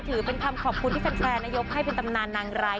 ถือเป็นคำขอบคุณที่แฟนยกให้เป็นตำนานนางร้าย